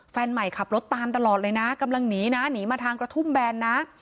แฟนใหม่ขับรถตามตลอดเลยนะกำลังหนีนะหนีมาทางกระทุ่มแบนนะ